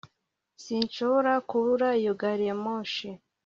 sinshobora kubura iyo gari ya moshi